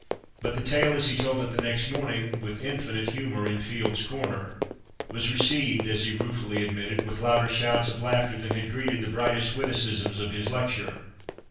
But the tale, as he told it the next morning with infinite humor in Fields's corner, was received, as he ruefully admitted, with louder shouts of laughter than had greeted the brightest witticisms of his lecture.